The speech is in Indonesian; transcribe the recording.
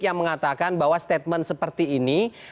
yang mengatakan bahwa statement seperti ini